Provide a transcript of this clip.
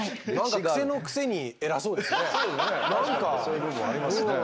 そういう部分ありますね。